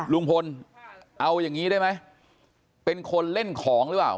ลุงพลเอาอย่างนี้ได้ไหมเป็นคนเล่นของหรือเปล่า